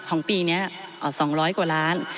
ของปีเนี้ยเอ่อสองร้อยกว่าร้าน